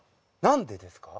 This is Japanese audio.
何でですか？